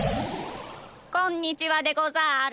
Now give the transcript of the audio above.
こんにちはでござる。